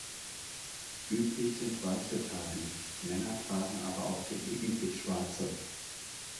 Üblich sind weiße Tabi; Männer tragen aber auch gelegentlich schwarze.